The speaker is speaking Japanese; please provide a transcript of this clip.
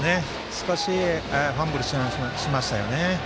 少しファンブルしましたね。